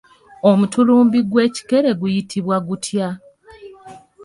Omutulumbi gw'ekikere guyitibwa gutya?